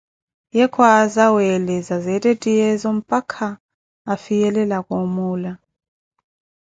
Ye kwaaza weeleza zeettehyeezo mpakha afiyelelaka omuula.